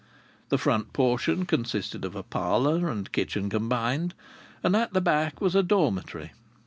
The front portion consisted of a parlour and kitchen combined, and at the back was a dormitory.